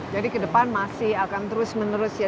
jadi ke depan masih akan terus menerus ya